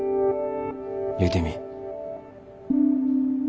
言うてみ。